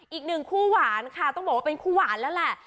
อีกหนึ่งคู่หวานค่ะต้องบอกว่าเป็นคู่หวานแล้วแหละ